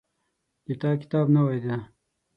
د تا کتاب نوی ده